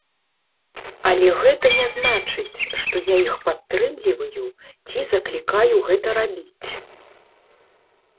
Але гэта не значыць, што я іх падтрымліваю ці заклікаю гэта рабіць.